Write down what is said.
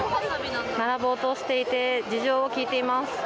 並ぼうとしていて事情を聞いています。